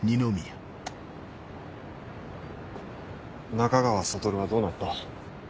仲川悟はどうなった？